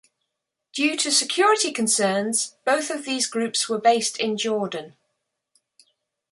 Due to security concerns, both of these groups were based in Jordan.